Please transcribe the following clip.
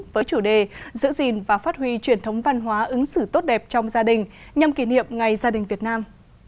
với chủ đề giữ gìn và phát huy truyền thống văn hóa ứng xử tốt đẹp trong gia đình nhằm kỷ niệm ngày gia đình việt nam